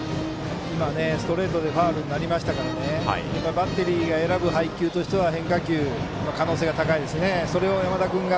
ストレートでファウルになりましたからバッテリーが選ぶ配球としては変化球の可能性が高いですね。